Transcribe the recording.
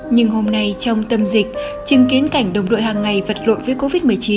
nhưng hôm nay trong tâm dịch chứng kiến cảnh đồng đội hàng ngày vật lộn với covid một mươi chín